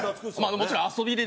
もちろん遊びでですよ。